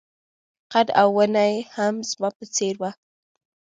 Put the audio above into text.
قد او ونه يې هم زما په څېر وه.